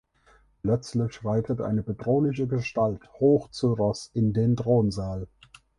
Plötzlich reitet eine bedrohliche Gestalt hoch zu Ross in den Thronsaal.